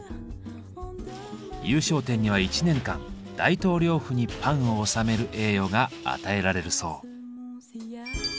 優勝店には１年間大統領府にパンを納める栄誉が与えられるそう。